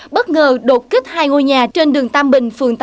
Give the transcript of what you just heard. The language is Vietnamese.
bất ngờ đột kích hai ngôi nhà trên đường tam bình phường tam phú